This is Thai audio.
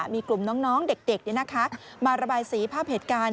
มีกลุ่มน้องเด็กมาระบายสีภาพเหตุการณ์